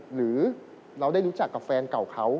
หรือเราได้รู้จักกับแฟนเก่าเขา